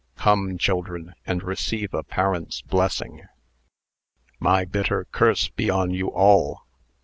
Come, children, and receive a parent's blessing." "My bitter curse be on you all!